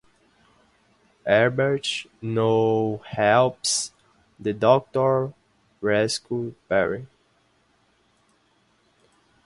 Herbert now helps the Doctor rescue Peri.